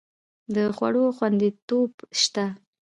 د خوړو خوندیتوب شته؟